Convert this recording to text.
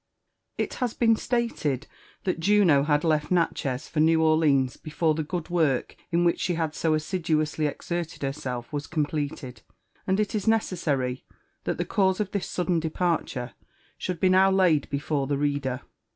It has been stated that Juno had again left Natchez for New Orleans before the good work in which she had so assiduously exerted herself was completed, and it is necessary that the cause of this sudden de parture should be now laid before the reader.